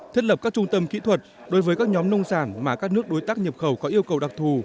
thiết lập các trung tâm kỹ thuật đối với các nhóm nông sản mà các nước đối tác nhập khẩu có yêu cầu đặc thù